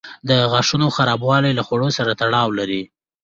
د غاښونو خرابوالی له خواړو سره تړاو لري.